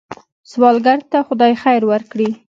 سوالګر ته خدای خیر ورکړي